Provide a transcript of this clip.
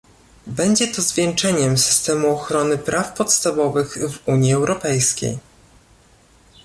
Będzie to zwieńczeniem systemu ochrony praw podstawowych w Unii Europejskiej